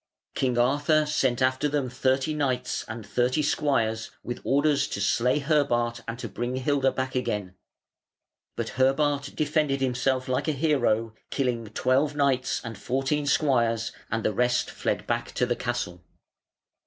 King Arthur sent after them thirty knights and thirty squires, with orders to slay Herbart and to bring Hilda back again; but Herbart defended himself like a hero, killing twelve knights and fourteen squires: and the rest fled back to the castle.